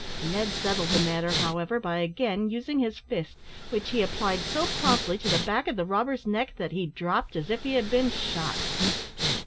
Ned settled the matter, however, by again using his fist, which he applied so promptly to the back of the robber's neck, that he dropped as if he had been shot.